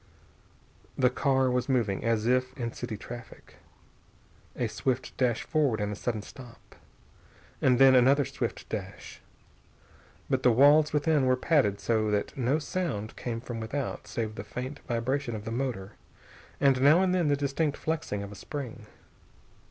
The car was moving as if in city traffic, a swift dash forward and a sudden stop, and then another swift dash. But the walls within were padded so that no sound came from without save the faint vibration of the motor and now and then the distinct flexing of a spring.